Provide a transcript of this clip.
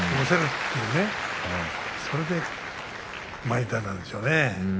それで前に出たんでしょうね。